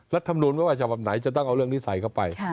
รัฐมนุนว่าประมาณไหนจะตั้งเอาเรื่องนี้ใส่เข้าไป